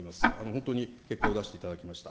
本当に結果を出していただきました。